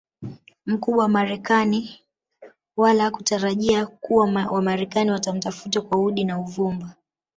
mkubwa wa marekani wala hakutarajia kuwa wamarekani watamtafuta kwa udi na uvumba